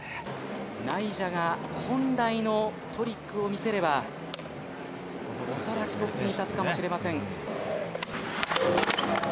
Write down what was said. ナイジャが本来のトリックを見せれば、恐らくトップに立つかもしれません。